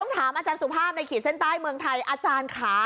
ถามอาจารย์สุภาพในขีดเส้นใต้เมืองไทยอาจารย์ค่ะ